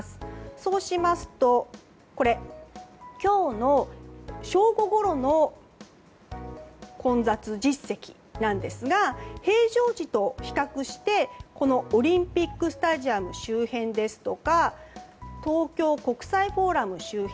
そうしますと今日の正午ごろの混雑実績なんですが平常時と比較してこのオリンピックスタジアム周辺ですとか東京国際フォーラム周辺